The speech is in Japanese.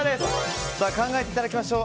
考えていただきましょう。